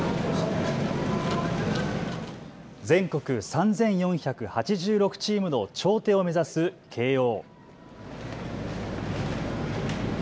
全国３４８６チームの頂点を目指す慶応。